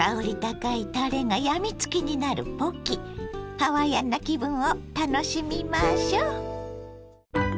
ハワイアンな気分を楽しみましょう。